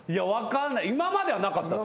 今まではなかったっすよ。